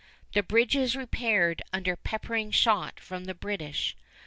The bridge is repaired under peppering shot from the British.